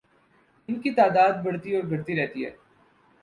ان کی تعداد بڑھتی اور گھٹتی رہتی ہے